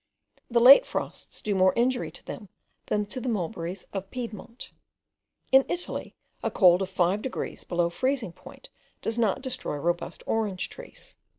The late frosts do more injury to them, than to the mulberries of Piedmont. In Italy a cold of 5 degrees below freezing point does not destroy robust orange trees.